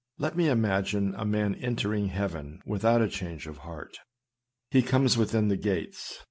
Let me imagine a man entering heaven without a change of heart. He comes within the gates.